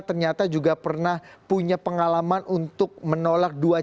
ternyata juga pernah punya pengalaman untuk menolak dua